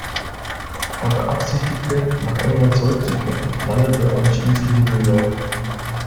Er beabsichtigte, nach England zurückzukehren, landete aber schließlich in New York.